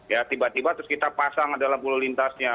ya tiba tiba terus kita pasang ada lampu lalu lintasnya